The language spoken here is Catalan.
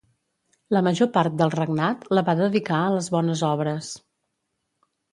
La major part del regnat la va dedicar a les bones obres.